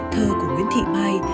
thơ của nguyễn thị mai